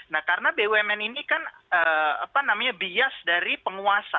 nah karena bumn ini kan bias dari penguasa